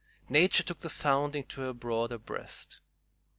Nature took the foundling to her broader breast.